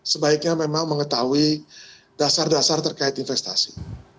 sebaiknya memang mengetahui dasar dasar terkait investasi